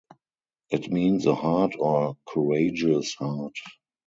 It means a heart or courageous heart.